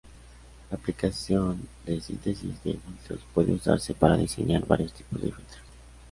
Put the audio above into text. La aplicación de síntesis de filtros puede usarse para diseñar varios tipos de filtros.